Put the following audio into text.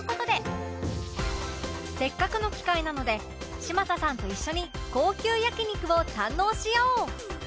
せっかくの機会なので嶋佐さんと一緒に高級焼肉を堪能しよう